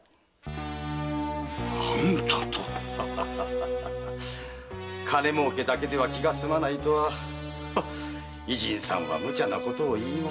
何だと⁉金儲けだけでは気が済まないとは異人さんは無茶を言いますなあ。